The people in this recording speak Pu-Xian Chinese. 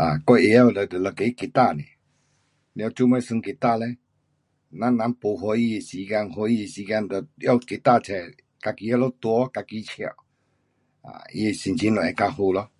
um 我会晓就一个吉他尔。了做什么玩吉他嘞，咱人没欢喜时间，欢喜时间就拿那个吉他出，自己拿那里弹，自己笑。啊，他的心情会较好咯。